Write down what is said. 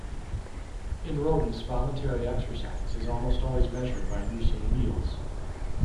In rodents, voluntary exercise is almost always measured by use of wheels.